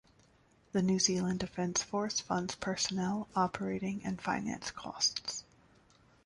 The New Zealand Defence Force funds personnel, operating and finance costs.